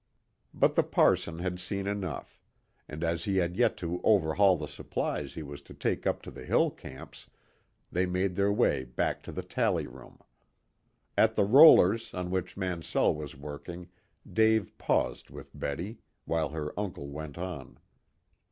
But the parson had seen enough; and as he had yet to overhaul the supplies he was to take up to the hill camps, they made their way back to the tally room. At the rollers on which Mansell was working Dave paused with Betty, while her uncle went on.